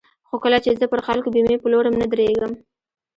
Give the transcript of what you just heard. خو کله چې زه پر خلکو بېمې پلورم نه درېږم.